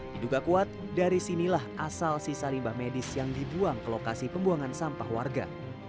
diduga kuat dari sinilah asal sisa limbah medis yang dibuang ke lokasi pembuangan sampah warga